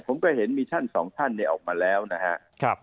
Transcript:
ผมก็เห็นมีท่านสองท่านเนี่ยออกมาแล้วนะครับ